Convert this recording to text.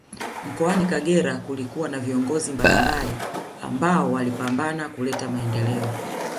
Mkoani kagera kulikuwa na viongozi mbalimbali ambao walipambana kuleta maendeleo